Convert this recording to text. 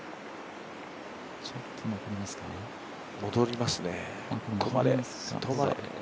戻りますね、これ。